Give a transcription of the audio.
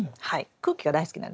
空気が大好きなんですね。